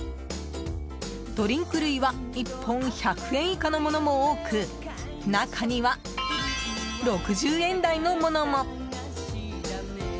ドリンク類は１本１００円以下のものも多く中には６０円台のものも。